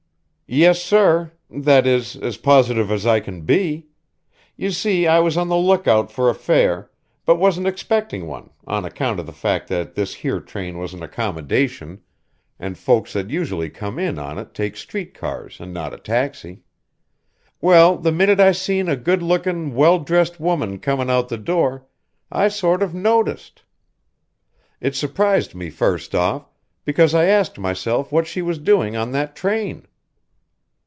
"Yes, sir that is, as positive as I can be. You see I was on the lookout for a fare, but wasn't expecting one, on account of the fact that this here train was an accommodation, and folks that usually come in on it take street cars and not a taxi. Well, the minute I seen a good lookin', well dressed woman comin' out the door, I sort of noticed. It surprised me first off, because I asked myself what she was doing on that train."